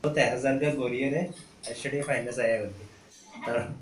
পাইলটদের ঘুম, খাবার-দাবার, বাথরুমের প্রয়োজন পড়ে।